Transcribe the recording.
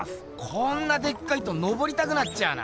こんなでっかいとのぼりたくなっちゃうな。